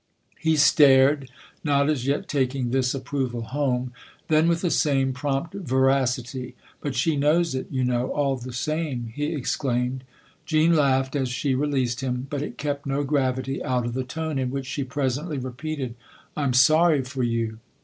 " He stared, not as yet taking this approval home; then with the same prompt veracity, " But she knows it, you know, all the same !" he exclaimed. Jean laughed as she released him ; but it kept no gravity out of the tone in which she presently repeated :" I'm sorry for you."